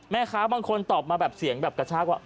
แม่ค้าบางคนตอบมาแบบเสียงแบบกระชากว่า